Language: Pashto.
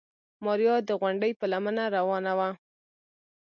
ماريا د غونډۍ په لمنه روانه وه.